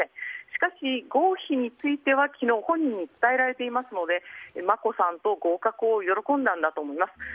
しかし、合否については昨日本人に伝えられていますので眞子さんと合格を喜んだんだと思います。